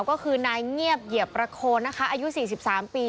ก็คือนายเงียบเหยียบประโคนนะคะอายุ๔๓ปี